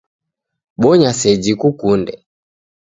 Bonya seji kukunde.